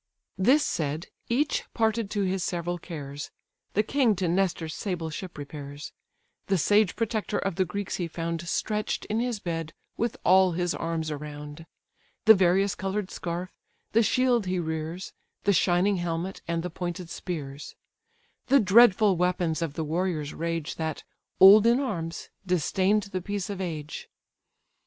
This said, each parted to his several cares: The king to Nestor's sable ship repairs; The sage protector of the Greeks he found Stretch'd in his bed with all his arms around; The various colour'd scarf, the shield he rears, The shining helmet, and the pointed spears; The dreadful weapons of the warrior's rage, That, old in arms, disdain'd the peace of age.